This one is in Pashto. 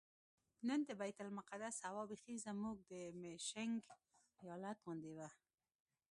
نن د بیت المقدس هوا بیخي زموږ د میشیګن ایالت غوندې وه.